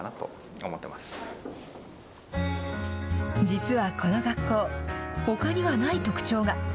実はこの学校、ほかにはない特徴が。